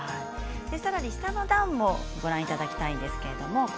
下の段もご覧いただきたいんですけれども。